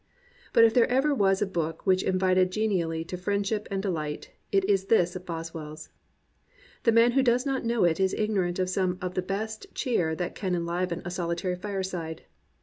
But if there ever was a book which invited genially to friendship and delight it is this of Boswell's. The man who does not know it is ignorant of some of the best cheer that can enliven a soHtary fireside.